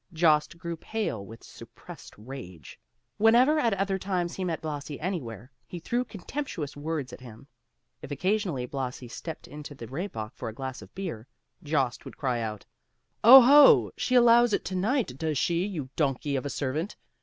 Jost grew pale with suppressed rage. Whenever at other times he met Blasi anywhere, he threw contemptuous words at him. If occasionally Blasi stepped into the Rehbock for a glass of beer, Jost would cry out, "Oh ho, she allows it to night, does she, you donkey of a servant?